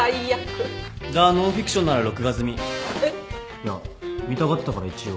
いや見たがってたから一応。